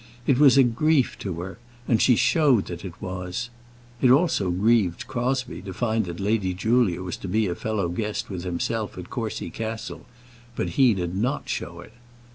It was a grief to her, and she showed that it was. It also grieved Crosbie to find that Lady Julia was to be a fellow guest with himself at Courcy Castle; but he did not show it.